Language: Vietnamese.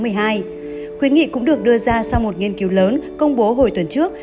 hội nghị cũng được đưa ra sau một nghiên cứu lớn công bố hồi tuần trước